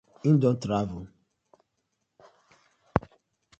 Him don travel.